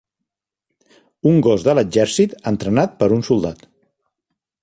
Un gos de l'exèrcit entrenat per un soldat.